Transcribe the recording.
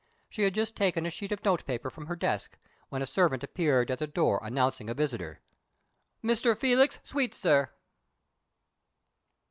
She had just taken a sheet of note paper from her desk, when a servant appeared at the door announcing a visitor "Mr. Felix Sweetsir!"